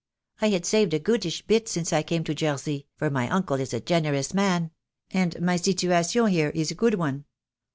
I had saved a goodish bit since I came to Jersey, for my uncle is a generous man, and my situation here is a good one.